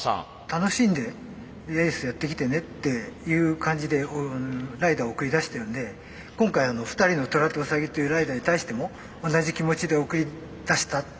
楽しんでレースやってきてねっていう感じでライダーを送り出してるんで今回２人のトラとウサギっていうライダーに対しても同じ気持ちで送り出したと。